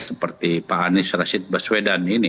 seperti pak anies rashid baswedan ini